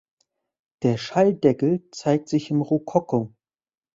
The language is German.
Der Schalldeckel zeigt sich im Rokoko.